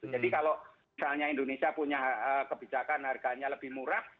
jadi kalau misalnya indonesia punya kebijakan harganya lebih murah